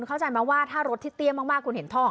เข้าใจไหมว่าถ้ารถที่เตี้ยมากคุณเห็นท่อ